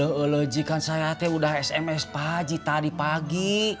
udah saya udah sms tadi pagi